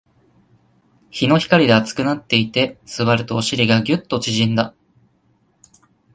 日の光で熱くなっていて、座るとお尻がギュッと縮んだ